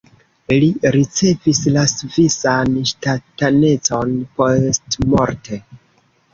Li ricevis la svisan ŝtatanecon postmorte.